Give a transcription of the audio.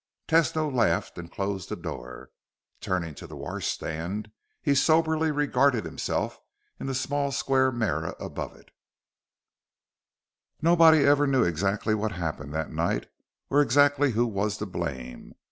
Tesno laughed and closed the door. Turning to the washstand, he soberly regarded himself in the small square mirror above it. Nobody ever knew exactly what happened that night or exactly who was to blame.